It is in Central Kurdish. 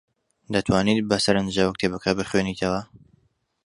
دەتوانیت بەسەرنجەوە کتێبەکە بخوێنیتەوە؟